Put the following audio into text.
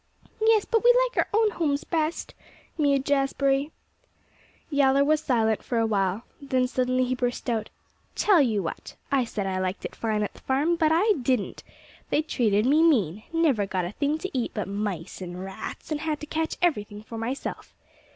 "Yes; but we like our own homes best!" mewed Jazbury. Yowler was silent for a while. Then suddenly he burst out, "Tell you what! I said I liked it fine at the farm, but I didn't. They treated me mean. Never got a thing to eat but mice and rats, and had to catch everything for myself.